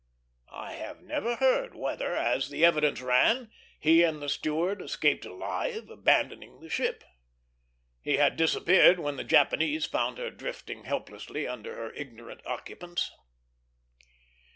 I have never heard whether, as the evidence ran, he and the steward escaped alive, abandoning the ship. He had disappeared when the Japanese found her drifting helplessly under her ignorant occupants.